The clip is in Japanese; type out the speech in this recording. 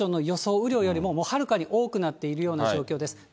雨量よりもはるかに多くなっているような状況です。